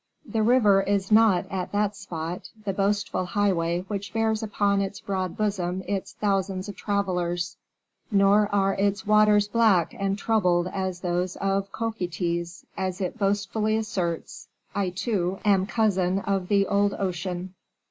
The river is not, at that spot, the boastful highway which bears upon its broad bosom its thousands of travelers; nor are its waters black and troubled as those of Cocytus, as it boastfully asserts, "I, too, am cousin of the old ocean."